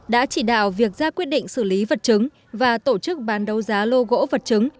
đã chỉ đạo việc ra quyết định xử lý vật chứng và tổ chức bán đấu giá lô gỗ vật chứng